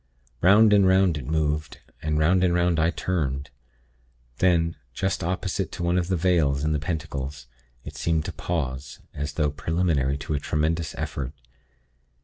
"'Round and 'round it moved, and 'round and 'round I turned. Then, just opposite to one of the Vales' in the pentacles, it seemed to pause, as though preliminary to a tremendous effort.